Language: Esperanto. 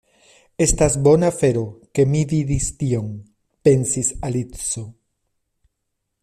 "Estas bona afero ke mi vidis tion," pensis Alicio.